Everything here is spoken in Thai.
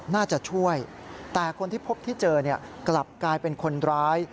น่าจะช่วยแต่คนที่พบที่เจอกลับกลายเป็นคนร้าย